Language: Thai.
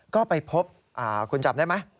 ก็ไปพบคุณจำได้ไหม